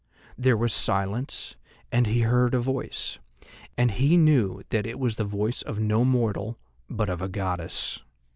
There was silence; and he heard a voice, and he knew that it was the voice of no mortal, but of a goddess.